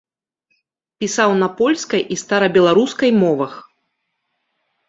Пісаў на польскай і старабеларускай мовах.